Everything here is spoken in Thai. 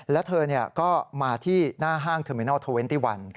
แล้วเธอก็มาที่หน้าห้างเทอร์มินัล๒๑